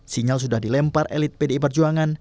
sinyal sudah dilempar elit pdi perjuangan